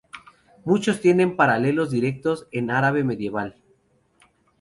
Muchos tienen paralelos directos en árabe medieval.